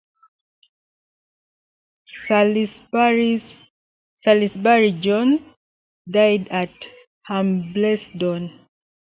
Salisbury-Jones died at Hambledon.